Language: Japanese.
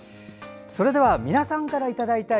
それでは皆さんからいただいた